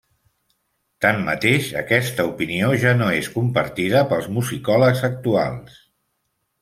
Tanmateix, aquesta opinió ja no és compartida pels musicòlegs actuals.